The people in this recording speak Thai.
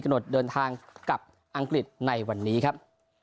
หนดเดินทางกับอังกฤษในวันนี้ครับ